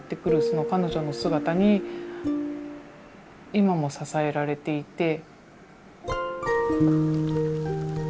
その彼女の姿に今も支えられていて。